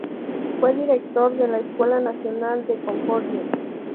Fue director de la Escuela Nacional de Concordia.